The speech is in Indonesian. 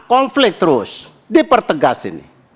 konflik terus dipertegas ini